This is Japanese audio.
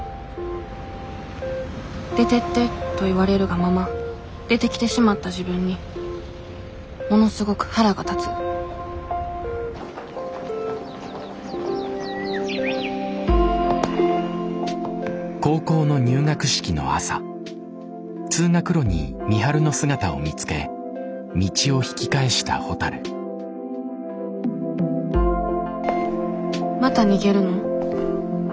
「出てって」と言われるがまま出てきてしまった自分にものすごく腹が立つまた逃げるの？